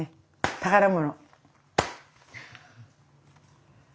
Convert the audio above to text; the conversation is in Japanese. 宝物。